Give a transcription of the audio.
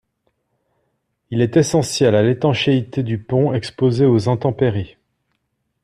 Il est essentiel à l'étanchéité du pont exposé aux intempéries.